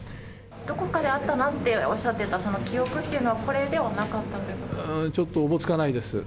どこかであったなっておっしゃってた、その記憶というのは、これではなかったということですか。